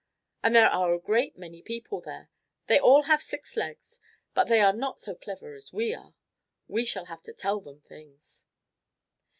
And there are a great many people there. They all have six legs, but they are not so clever as we are. We shall have to tell them things."